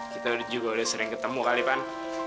kita juga udah sering ketemu kali kan